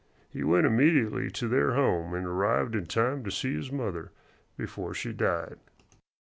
He went immediately to their home, and arrived in time to see his mother before she died.